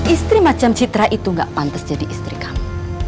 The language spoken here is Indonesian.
istri macam citra itu gak pantas jadi istri kami